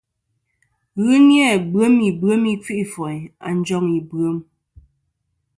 Ghɨ ni-a bwem ibwem i kfi'foyn a njoŋ ìbwem.